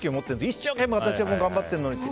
一生懸命私は頑張ってるのにって。